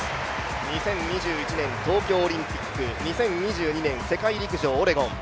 ２０２１年東京オリンピック２０２２年世界陸上オレゴン、